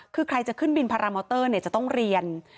คือใครจะขึ้นบินพารามอเตอร์จะต้องเรียน